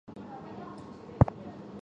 圣马丁乡人口变化图示